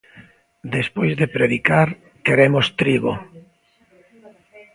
Despois de predicar, queremos trigo.